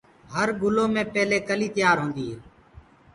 هر گُلو مي پيلي ڪِلي تيآر هوندي هي۔